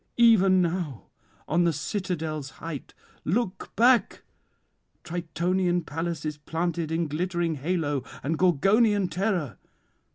... Even now on the citadel's height, look back! Tritonian Pallas is planted in glittering halo and Gorgonian terror.